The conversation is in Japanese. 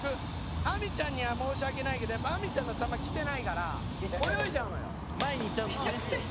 亜美ちゃんには申し訳ないけどやっぱ亜美ちゃんの球はきてないから泳いじゃうのよ。